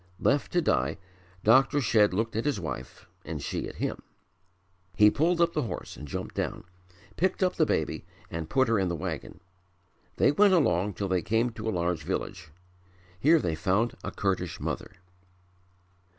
Left to die. Dr. Shedd looked at his wife and she at him. He pulled up the horse and jumped down, picked up the baby and put her in the wagon. They went along till they came to a large village. Here they found a Kurdish mother.